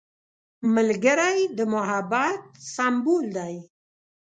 ملګری د محبت سمبول دی